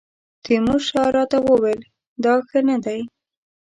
تیمورشاه راته وویل دا ښه نه دی.